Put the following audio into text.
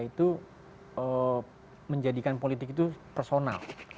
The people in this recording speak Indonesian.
itu menjadikan politik itu personal